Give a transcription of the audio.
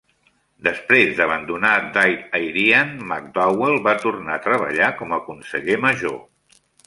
Després d'abandonar Dáil Éireann, McDowell va tornar a treballar com a conseller major.